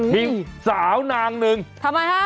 หิงสาวนางนึงทำไมคะ